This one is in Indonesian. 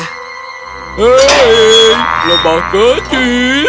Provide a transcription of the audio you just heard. hei lebah kecil